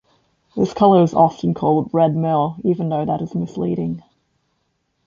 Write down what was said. This color is often called "Red Merle" even though that is misleading.